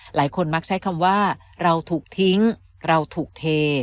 มักใช้คำว่าเราถูกทิ้งเราถูกเท